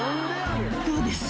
「どうです？